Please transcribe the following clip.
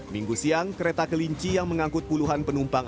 minggu siang kereta kelinci yang mengangkut puluhan penumpang